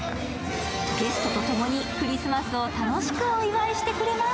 ゲストと共にクリスマスを楽しくお祝いしてくれます。